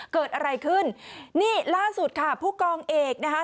เกิดอะไรขึ้นนี่ล่าสุดค่ะผู้กองเอกนะคะ